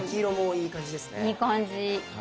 いい感じ。